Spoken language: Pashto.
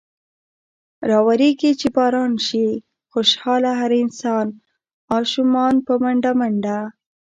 راورېږي چې باران۔ شي خوشحاله هر انسان ـ اشومان په منډه منډه ـ